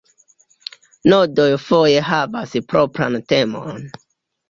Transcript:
Nodoj foje havas propran temon.